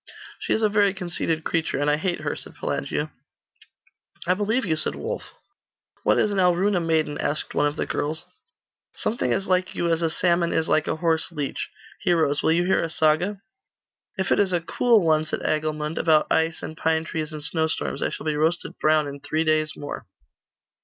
'She is a very conceited creature, and I hate her,' said Pelagia. 'I believe you,' said Wulf. 'What is an Alruna maiden?' asked one of the girls. 'Something as like you as a salmon is like a horse leech. Heroes, will you hear a saga?' 'If it is a cool one,' said Agilmund; 'about ice, and pine trees, and snowstorms, I shall be roasted brown in three days more.